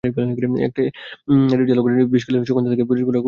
এটি ঝালকাঠির বিষখালী, সুগন্ধা থেকে পিরোজপুরের কচা, সন্ধ্যা নদীর সঙ্গে সংযুক্ত।